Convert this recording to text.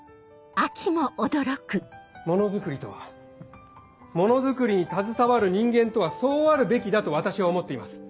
ものづくりとはものづくりに携わる人間とはそうあるべきだと私は思っています。